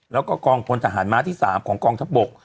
แล้วก็กองพลทหารม้าที่๓ของกองทัพบก